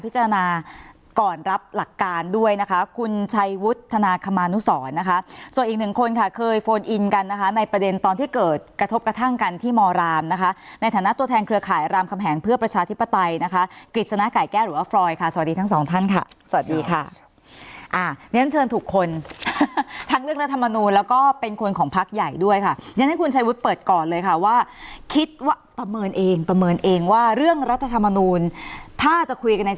จริงถึงคนค่ะเคยโฟนอินกันนะคะในประเด็นตอนที่เกิดกระทบกระทั่งกันที่มรามนะคะในฐานะตัวแทนเครือข่ายรามคำแหงเพื่อประชาธิปไตยนะคะกฤษณะไก่แก้หรือว่าฟรอยค่ะสวัสดีทั้งสองท่านค่ะสวัสดีค่ะอ่าฉันเชิญทุกคนทั้งเรื่องรัฐธรรมนูญแล้วก็เป็นคนของพลักษณ์ใหญ่ด้วยค่ะฉันให้คุณช